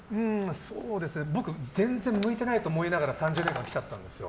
僕全然向いてないと思いながら３０年間、来ちゃったんですよ。